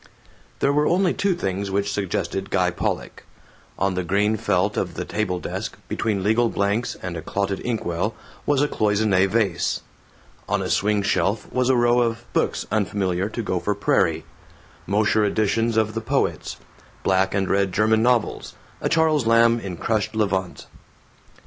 There were only two things which suggested Guy Pollock. On the green felt of the table desk, between legal blanks and a clotted inkwell, was a cloissone vase. On a swing shelf was a row of books unfamiliar to Gopher Prairie: Mosher editions of the poets, black and red German novels, a Charles Lamb in crushed levant.